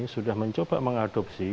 sudah mencoba mengadopsi